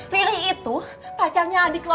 riri itu pacarnya adik lo